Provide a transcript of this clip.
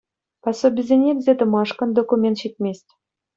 Пособисене илсе тӑмашкӑн документ ҫитмест.